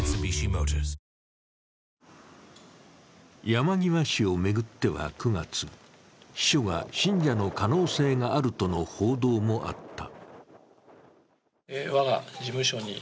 山際氏を巡っては９月、秘書が信者の可能性があるとの報道もあった。